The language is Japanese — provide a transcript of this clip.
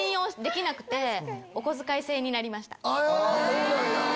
そうなんや。